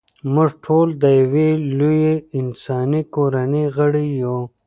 موږ ټول د یوې لویې انساني کورنۍ غړي یو.